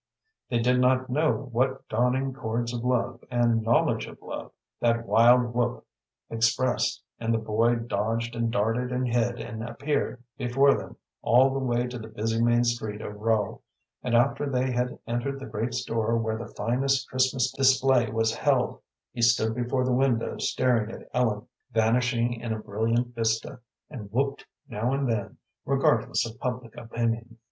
They did not know what dawning chords of love, and knowledge of love, that wild whoop expressed; and the boy dodged and darted and hid, and appeared before them all the way to the busy main street of Rowe; and, after they had entered the great store where the finest Christmas display was held, he stood before the window staring at Ellen vanishing in a brilliant vista, and whooped now and then, regardless of public opinion.